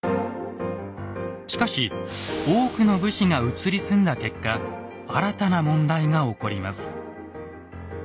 しかし多くの武士が移り住んだ結果新たな問題が起こります。